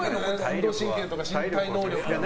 運動神経とか身体能力がね。